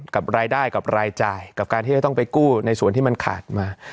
กับรายได้กับรายจ่ายกับการที่จะต้องไปกู้ในส่วนที่มันขาดมา